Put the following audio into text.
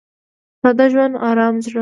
• ساده ژوند، ارامه زړه.